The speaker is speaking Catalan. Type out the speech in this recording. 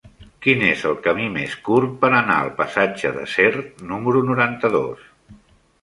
Quin és el camí més curt per anar al passatge de Sert número noranta-dos?